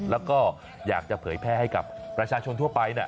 แล้วก็อยากจะเผยแพร่ให้กับประชาชนทั่วไป